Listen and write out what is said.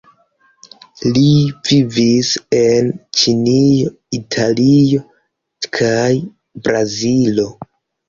Li vivis en Ĉinio, Italio kaj Brazilo.